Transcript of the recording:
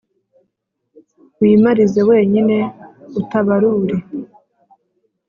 wimarize wenyine, atabarure